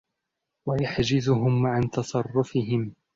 وَيَحْجِزُهُمْ عَنْ تَصَرُّفِهِمْ